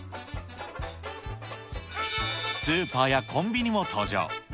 スーパーやコンビニも登場。